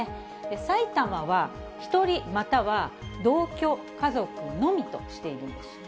埼玉は１人、または同居家族のみとしているんです。